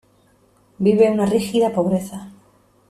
Vive una rígida pobreza.